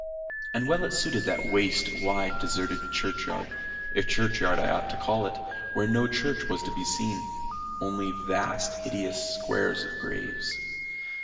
And well it suited that waste, wide, deserted churchyard, if churchyard I ought to call it where no church was to be seen only a vast hideous square of graves.